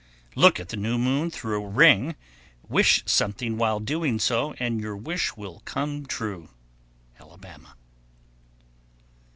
Look at the new moon through a ring, wish something while doing so, and your wish will come true. _Alabama.